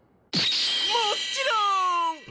もっちろん！